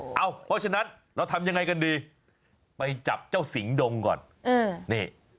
เพราะฉะนั้นเราทำยังไงกันดีไปจับเจ้าสิงดงก่อนนี่